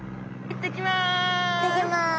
行ってきます。